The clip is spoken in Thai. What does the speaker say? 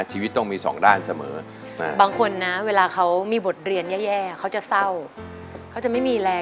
ชีวิตต้องมีสองด้านเสมอบางคนนะเวลาเขามีบทเรียนแย่เขาจะเศร้าเขาจะไม่มีแรง